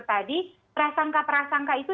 tadi prasangka prasangka itu